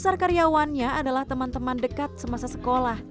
setelah dengan alat nelayan babi dikacau tutoringnya